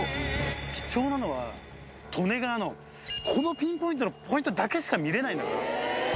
貴重なのは、利根川のこのピンポイントのポイントだけしか見れないんだから。